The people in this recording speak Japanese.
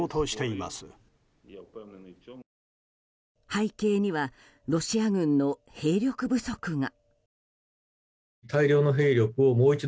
背景にはロシア軍の兵力不足が。